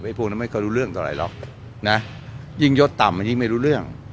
ไอ้พวกนั้นไม่เค้ารู้เรื่องเท่าไรหรอกนะยิ่งยดต่ำยิ่งไม่รู้เรื่อง